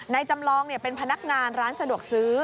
จำลองเป็นพนักงานร้านสะดวกซื้อ